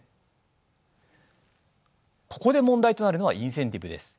ここで問題となるのはインセンティブです。